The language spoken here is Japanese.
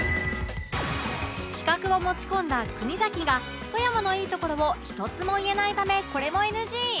企画を持ち込んだ国崎が富山のいいところを１つも言えないためこれも ＮＧ